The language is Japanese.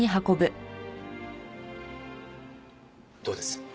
どうです？